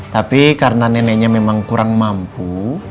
tapi karena neneknya memang kurang mampu